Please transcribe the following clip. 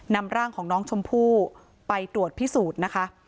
นำร่างของน้องชมพู่ไปตรวจพิสูจน์นะคะ